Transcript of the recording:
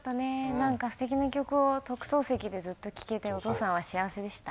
何かすてきな曲を特等席でずっと聴けてお父さんは幸せでした。